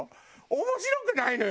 面白くないのよ